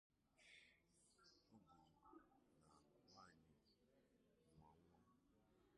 Ọ bụrụ na nwanyị mụa nwa